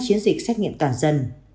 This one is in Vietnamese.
chiến dịch xét nghiệm toàn dân